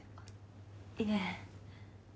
いえ。